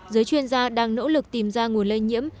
giới chuyên gia đang nỗ lực tìm ra nguồn lây nhiễm